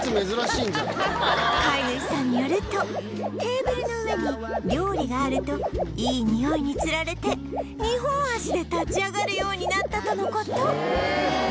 飼い主さんによるとテーブルの上に料理があるといいにおいに釣られて２本脚で立ち上がるようになったとの事